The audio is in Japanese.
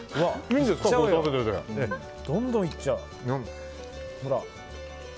どんどんいっちゃう。